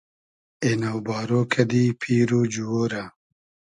اېنۆ بارۉ کئدی پیر و جووۉ رۂ